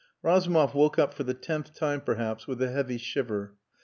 Razumov woke up for the tenth time perhaps with a heavy shiver.